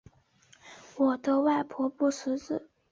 我的外婆不识字